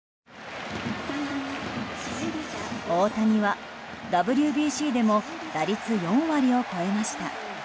大谷はＷＢＣでも打率４割を超えました。